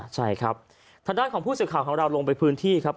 ใช่ครับทางด้านของผู้สื่อข่าวของเราลงไปพื้นที่ครับ